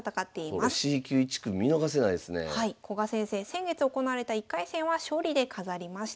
先月行われた１回戦は勝利で飾りました。